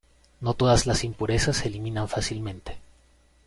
No todas las impurezas se eliminan fácilmente.